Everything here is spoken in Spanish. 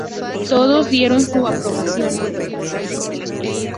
Todos dieron su aprobación.